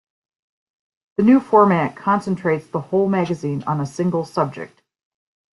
The new format concentrates the whole magazine on a single subject.